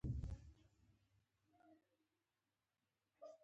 چټک فکر کول د ستونزو د حل لپاره مهم دي.